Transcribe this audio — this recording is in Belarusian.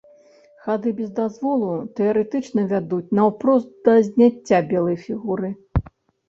Хады без дазволу тэарэтычна вядуць наўпрост да зняцця белай фігуры.